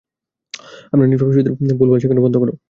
আমার নিষ্পাপ শিশুদের ভুল-বাল শেখানো বন্ধ কর।